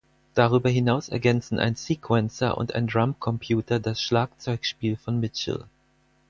Darüber hinaus ergänzen ein Sequencer und ein Drumcomputer das Schlagzeugspiel von Mitchell.